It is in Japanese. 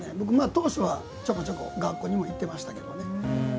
当初は、ちょこちょこ学校にも行ってましたけどね。